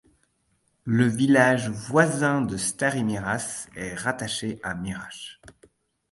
Le village voisin de Stari Miraš est rattaché à Mirash.